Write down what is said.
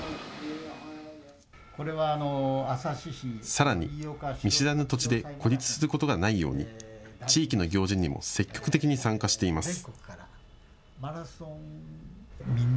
さらに見知らぬ土地で孤立することがないように地域の行事にも積極的に参加しています。